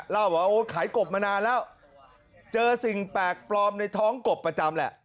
เล่าว่าขายกบมานานแล้วเจอสิ่งแปลกปลอมในท้องกบประจำแหละ